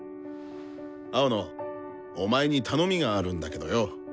青野お前に頼みがあるんだけどよ。